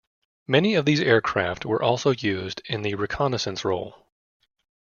Many of these aircraft were also used in the reconnaissance role.